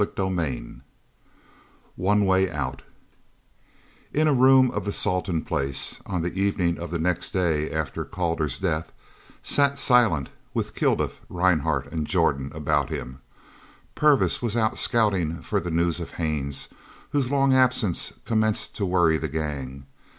CHAPTER XXI ONE WAY OUT In a room of the Salton place, on the evening of the next day after Calder's death, sat Silent, with Kilduff, Rhinehart, and Jordan about him. Purvis was out scouting for the news of Haines, whose long absence commenced to worry the gang.